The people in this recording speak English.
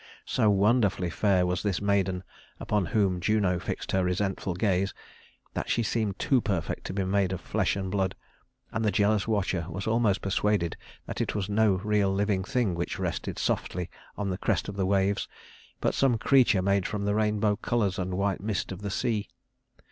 So wonderfully fair was this maiden upon whom Juno fixed her resentful gaze, that she seemed too perfect to be made of flesh and blood, and the jealous watcher was almost persuaded that it was no real living thing which rested softly on the crest of the waves, but some creature made from the rainbow colors and white mist of the sea.